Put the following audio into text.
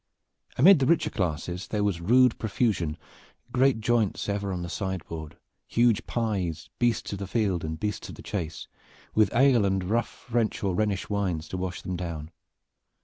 Amid the richer classes there was rude profusion, great joints ever on the sideboard, huge pies, beasts of the field and beasts of the chase, with ale and rough French or Rhenish wines to wash them down.